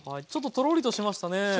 ちょっととろりとしましたね。